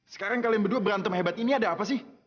sekarang kalian berdua berantem hebat ini ada apa sih